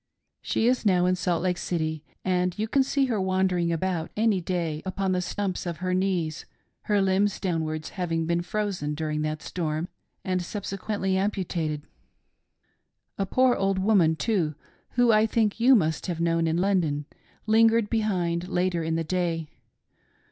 She is now in Salt Lake City, and you can see her wandering about any day upon the stumps of her knees^ her limbs downwards having been frozen during that storm, and subsequently amputated. A poor old woman, too, who I think you must have known in London, lingered behind later in the day.